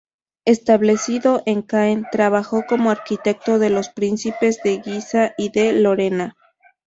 Establecido en Caen, trabajó como arquitecto de los príncipes de Guisa y de Lorena.